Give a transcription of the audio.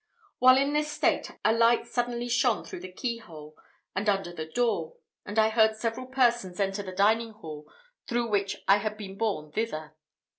While in this state, a light suddenly shone through the keyhole and under the door, and I heard several persons enter the dining hall through which I had been borne thither.